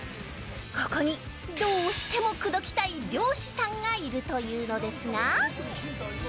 ここにどうしても口説きたい漁師さんがいるというのですが。